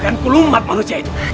agar aku lumat manusia itu